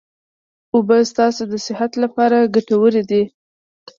اوبه ستاسو د صحت لپاره ګټوري دي